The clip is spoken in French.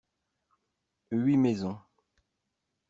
Huit maisons.